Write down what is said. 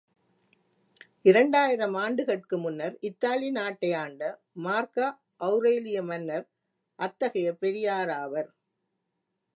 இரண்டாயிரம் ஆண்டுகட்கு முன்னர் இத்தாலி நாட்டை ஆண்ட மார்க்க ஔரேலிய மன்னர் அத்தகைய பெரியாராவர்.